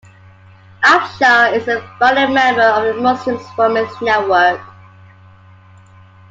Afshar is a founding member of the Muslims Women's Network.